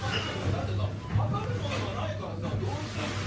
だってさはかるものがないからさどうしようも。